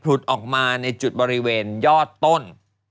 ุดออกมาในจุดบริเวณยอดต้น